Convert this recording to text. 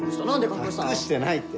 隠してないって！